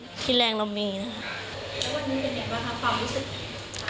แล้ววันนี้เป็นอย่างไรบ้างครับความรู้สึก